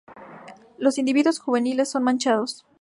Los individuos juveniles son manchados.